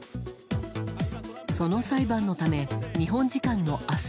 その裁判のため日本時間の明日